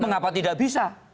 mengapa tidak bisa